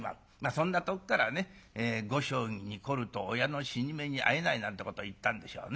そんなとこからね「碁将棋に凝ると親の死に目にあえない」なんてことを言ったんでしょうね。